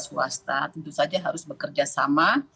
swasta tentu saja harus bekerja sama